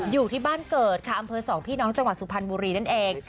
อยู่ที่บ้านเกิดค่ะอำเภอสองพี่น้องจังหวัดสุพรรณบุรีนั่นเอง